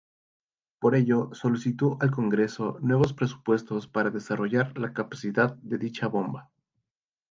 Por ello solicitó al Congreso nuevos presupuestos para desarrollar la capacidad de dicha bomba.